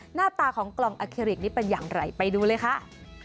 หน้าตาของกล่องอาเคริกนี้เป็นอย่างไรไปดูเลยค่ะ